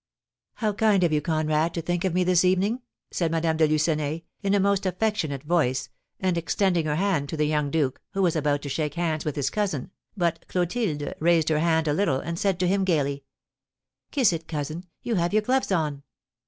"How kind of you, Conrad, to think of me this evening!" said Madame de Lucenay, in a most affectionate voice, and extending her hand to the young duke, who was about to shake hands with his cousin, but Clotilde raised her hand a little, and said to him gaily: "Kiss it, cousin, you have your gloves on."